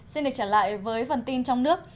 xin được trả lại với phần tin trong nước